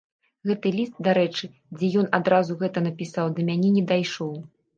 Гэты ліст, дарэчы, дзе ён адразу гэта напісаў, да мяне не дайшоў.